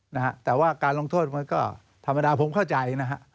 นะฮะแต่ว่าการลงโทษมันก็ธรรมดาผมเข้าใจนะฮะ